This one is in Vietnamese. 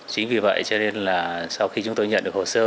chính vì vậy sau khi chúng tôi nhận được hồ sơ